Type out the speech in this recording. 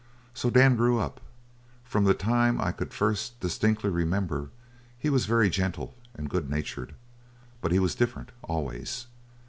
"So Dan grew up. From the time I could first distinctly remember, he was very gentle and good natured, but he was different, always.